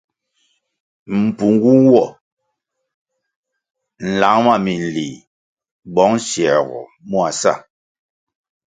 Mpungu nwo nlang ma minlih bong siergoh mua sa.